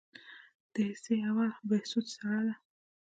د حصه اول بهسود سړه ده